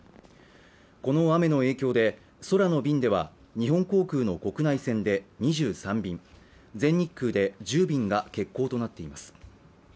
この雨の影響で空の便では日本航空の国内線で２３便、全日空で１０便が欠航となっています。